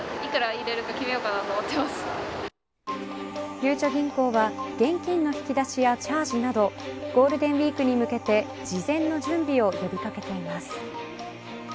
ゆうちょ銀行は現金の引き出しやチャージなどゴールデンウイークに向けて事前の準備を呼び掛けています。